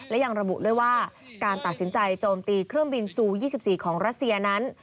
และยังระบุด้วยว่าการตัดสินใจโจมตีเครื่องบินซู๒๔ของรัสเซียนั้น